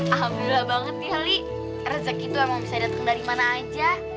alhamdulillah banget ya ali rezeki itu emang bisa datang dari mana aja